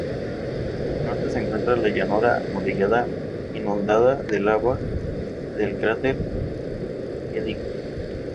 Al norte se encuentra la llanura amurallada inundada de lava del cráter Eddington.